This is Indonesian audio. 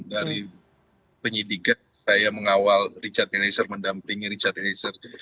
dari penyidikan saya mengawal richard eliezer mendampingi richard eliezer